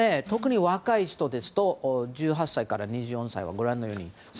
特に若い人ですと１８歳から２４歳は３１％。